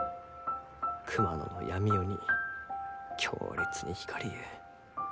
熊野の闇夜に強烈に光りゆう。